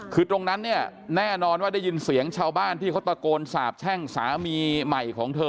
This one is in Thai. คือตรงนั้นเนี่ยแน่นอนว่าได้ยินเสียงชาวบ้านที่เขาตะโกนสาบแช่งสามีใหม่ของเธอ